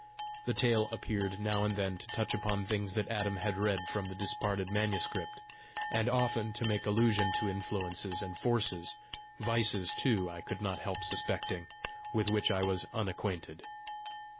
The tale appeared now and then to touch upon things that Adam had read from the disparted manuscript, and often to make allusion to influences and forces vices too, I could not help suspecting with which I was unacquainted.